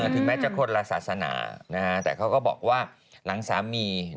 ถึงแม้จะคนละศาสนาแต่เขาก็บอกว่าหลังสามี